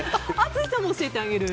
淳さんも教えてあげる。